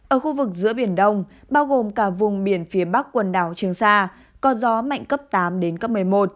ở khu vực giữa biển đông bao gồm cả vùng biển phía bắc quần đảo trường sa có gió mạnh cấp tám đến cấp một mươi một